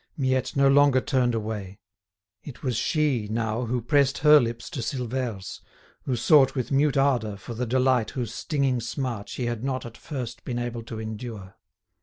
Miette no longer turned away. It was she, now, who pressed her lips to Silvère's, who sought with mute ardour for the delight whose stinging smart she had not at first been able to endure.